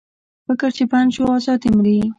فکر چې بند شو، ازادي مري.